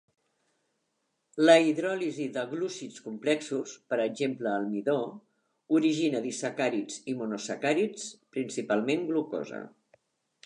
La hidròlisi de glúcids complexos, per exemple el midó, origina disacàrids i monosacàrids, principalment glucosa.